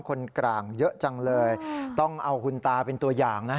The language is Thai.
กลางเยอะจังเลยต้องเอาคุณตาเป็นตัวอย่างนะ